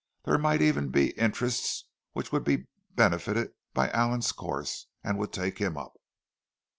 There might even be interests which would be benefited by Allan's course, and would take him up.